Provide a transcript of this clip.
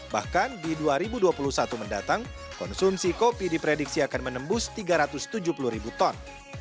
bahkan di dua ribu dua puluh satu mendatang konsumsi kopi diprediksi akan menembus tiga ratus tujuh puluh ribu ton